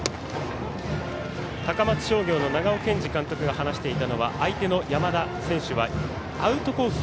高松商業の長尾健司監督が話していたのは相手の山田選手はアウトコース